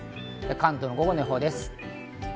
関東の午後の予報です。